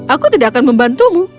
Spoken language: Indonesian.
aku tidak akan membantumu